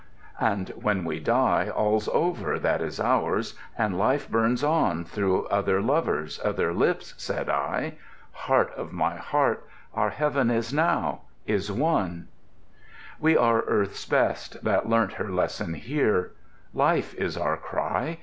"And when we die All's over that is ours; and life burns on Through other lovers, other lips," said I, —"Heart of my heart, our heaven is now, is won!" "We are Earth's best, that learnt her lesson here. Life is our cry.